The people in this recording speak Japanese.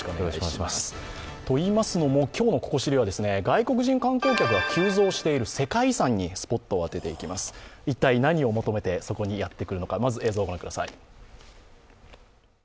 といいますのも、今日の「ここ知り」は外国人観光客が急増している世界遺産にスポットを当てていきます、一体何を求めてそこにやってくるのか。